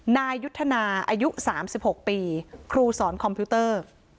นายยุทธนาอายุ๓๖ปีครูสอนคอมพิวเตอร์